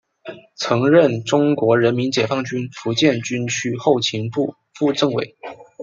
曾任中国人民解放军福建军区后勤部副政委。